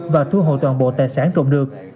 và thu hồi toàn bộ tài sản trộm được